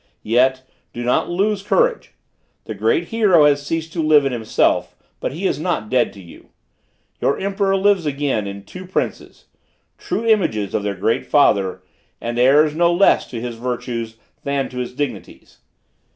Yet, do not lose courage! The great hero has ceased to live in himself; but he is not dead to you! Your emperor lives again in two princes, true images of their great father, and heirs no less to his virtues than to his dignities.